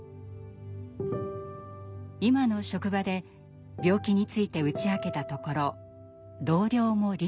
今の職場で病気について打ち明けたところ同僚も理解。